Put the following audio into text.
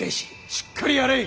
しっかりやれい！